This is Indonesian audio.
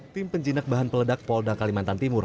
tim penjinak bahan peledak polda kalimantan timur